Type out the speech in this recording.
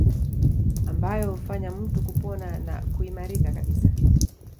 Ambayo hufanya mtu kupona na kuimarika kabisa